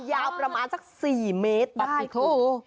ยาวประมาณสัก๔เมตรได้คุณ